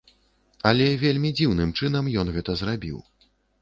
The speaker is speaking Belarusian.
Але вельмі дзіўным чынам ён гэта зрабіў.